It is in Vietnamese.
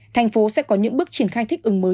thành phố sẽ có những bước triển khai thích ứng mới